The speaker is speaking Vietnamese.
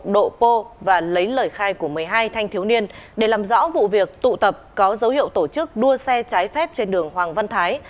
độ pô và lấy lời khai của một mươi hai thanh thiếu niên để làm rõ vụ việc tụ tập có dấu hiệu tổ chức đua xe trái phép trên đường hoàng văn thái